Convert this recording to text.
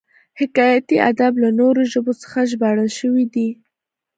حکایتي ادب له نورو ژبو څخه ژباړل شوی دی